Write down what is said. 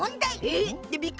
えっ？